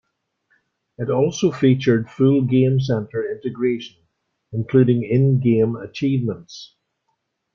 It also featured full Game Center integration - including in-game achievements.